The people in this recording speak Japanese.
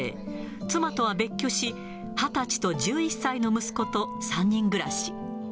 妻とは別居し、２０歳と１１歳の息子と３人暮らし。